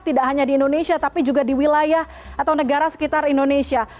tidak hanya di indonesia tapi juga di wilayah atau negara sekitar indonesia